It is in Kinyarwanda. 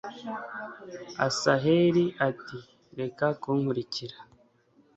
asaheli ati reka kunkurikira